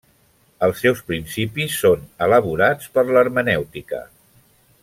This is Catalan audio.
Els seus principis són elaborats per l'hermenèutica.